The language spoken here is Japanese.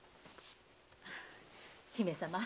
姫様。